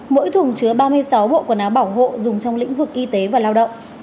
mỗi thùng chứa ba mươi sáu bộ quần áo bảo hộ dùng trong lĩnh vực y tế và lao động